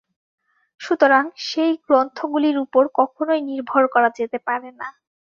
সুতরাং সেই গ্রন্থগুলির উপর কখনই নির্ভর করা যেতে পারে না।